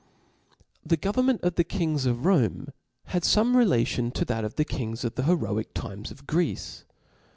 HP H E government of the kings of Rome had ^ fame relation to that of the kings of the , heroic times of Greece.